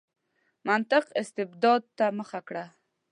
مطلق استبداد ته مخه کړه.